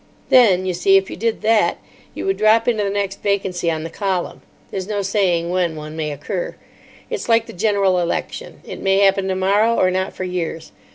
"Then, you see, if you did that you would drop into the next vacancy on the column. There's no saying when one may occur. It's like the General Election. It may happen tomorrow, or not for years.